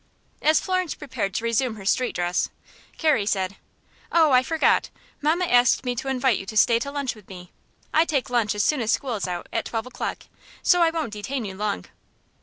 As Florence prepared to resume her street dress, Carrie said: "Oh, I forgot! Mamma asked me to invite you to stay to lunch with me. I take lunch as soon as school is out, at twelve o'clock, so I won't detain you long."